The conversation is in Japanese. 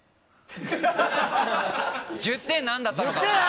１０点何だったのかな？